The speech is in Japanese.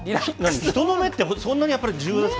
人の目って、そんなにやっぱり重要ですか？